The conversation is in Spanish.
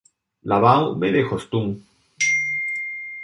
La Baume-d'Hostun